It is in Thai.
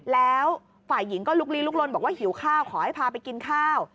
แล้วฝ่ายหญิงก็ลุกลีลุกลนบอกว่าหิวข้าวขอให้พาไปกินข้าว